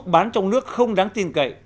bán trong nước không đáng tin cậy